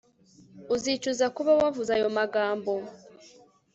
Uzicuza kuba wavuze ayo magambo